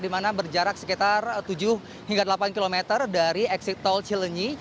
di mana berjarak sekitar tujuh hingga delapan km dari exit tol cilenyi